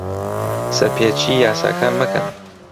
سەرپێچیی یاساکان مەکەن.